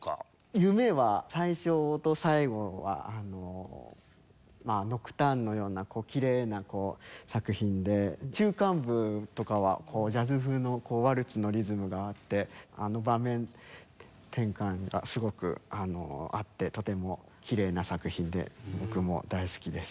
『夢』は最初と最後はノクターンのようなきれいな作品で中間部とかはジャズ風のワルツのリズムがあって場面転換がすごくあってとてもきれいな作品で僕も大好きです。